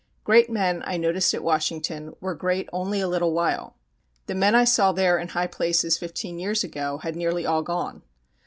Great men, I noticed at Washington, were great only a little while. The men I saw there in high places fifteen years ago had nearly all gone.